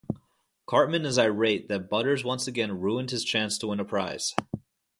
Cartman is irate that Butters once again ruined his chance to win a prize.